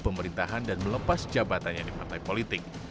pemerintahan dan melepas jabatannya di partai politik